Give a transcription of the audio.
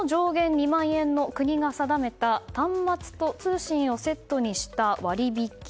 ２万円の国が定めた端末と通信をセットにした割引